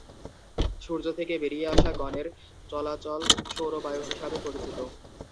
সূর্য থেকে বেরিয়ে আসা গণের চলাচল সৌর বায়ু হিসাবে পরিচিত।